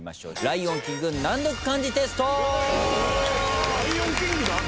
『ライオンキング』難読漢字テスト。